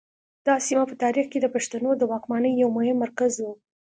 دا سیمه په تاریخ کې د پښتنو د واکمنۍ یو مهم مرکز و